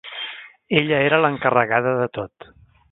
Ella era l'encarregada de tot.